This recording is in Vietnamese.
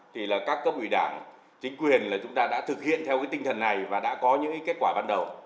thì là các cấp ủy đảng chính quyền là chúng ta đã thực hiện theo cái tinh thần này và đã có những kết quả ban đầu